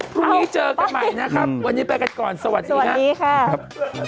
พรุ่งนี้เจอกันใหม่นะครับวันนี้ไปกันก่อนสวัสดีครับสวัสดีค่ะครับ